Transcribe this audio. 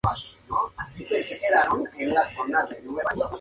El shogunato de Kamakura se negó a estas demandas.